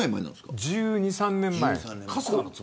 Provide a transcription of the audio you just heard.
１２１３年前。